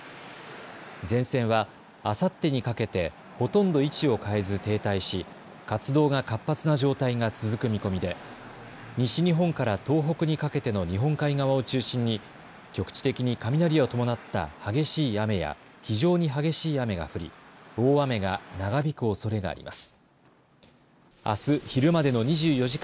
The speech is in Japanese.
前線はあさってにかけてほとんど位置を変えず停滞し活動が活発な状態が続く見込みで西日本から東北にかけての日本海側を中心に局地的に雷を伴った激しい雨や非常に激しい雨が降り大雨が長引くおそれがあります。